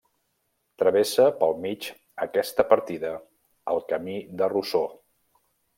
Travessa pel mig aquesta partida el Camí de Rossor.